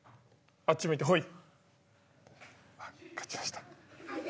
あっち向いてホイ。